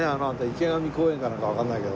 池上公園かなんかわかんないけど。